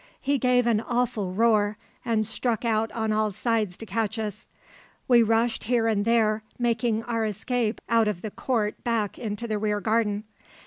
He gave an awful roar, and struck out on all sides to catch us. We rushed here and there, making our escape out of the court back into the rear garden.